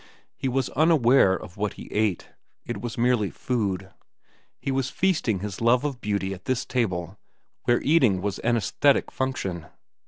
He was unaware of what he ate. It was merely food. He was feasting his love of beauty at this table where eating was an aesthetic function.